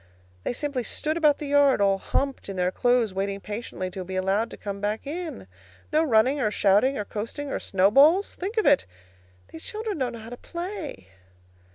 They simply stood about the yard, all humped in their clothes, waiting patiently to be allowed to come back in. No running or shouting or coasting or snowballs. Think of it! These children don't know how to play.